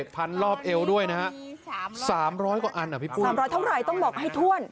พันรอบเอวด้วยนะฮะสามร้อยกว่าอันอ่ะสามร้อยเท่าไหร่ต้องบอกให้ถ้วน